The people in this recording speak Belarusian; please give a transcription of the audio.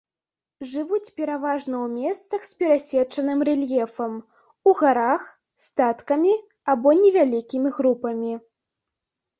Жывуць пераважна ў месцах з перасечаным рэльефам, у гарах, статкамі або невялікімі групамі.